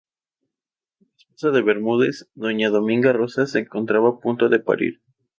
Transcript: La esposa de Bermúdez, doña Dominga Rosas, se encontraba a punto de parir.